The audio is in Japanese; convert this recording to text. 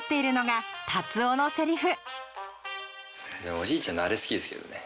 おじいちゃんのあれ好きですけどね。